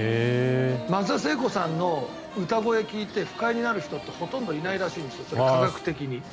松田聖子さんの歌声を聴いて不快になる人ってほとんどいないそうなんです。